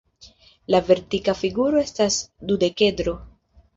La vertica figuro estas dudekedro.